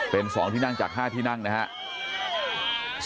เป็น๒ที่นั่งจาก๕ที่นั่งนะครับ